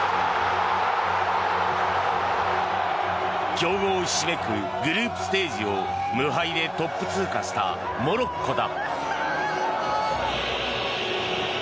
強豪ひしめくグループステージを無敗でトップ通過したモロッコだ。